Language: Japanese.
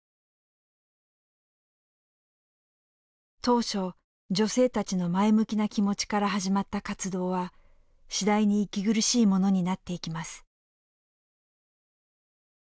当初女性たちの前向きな気持ちから始まった活動は次第に息苦しいものになっていきます。